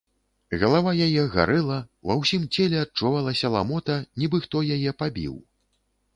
Галава яе гарэла, ва ўсім целе адчувалася ламота, нібы хто яе пабіў.